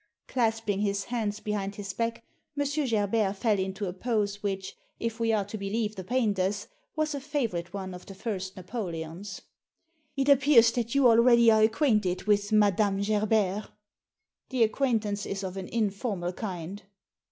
Clasping his hands behind his back, M. Gerbert fell into a pose which, if we are to believe the painters, was a favourite one of the first Napoleon's. It appears that you already are acquainted with Madame Gerbert" The acquaintance is of an informal kind.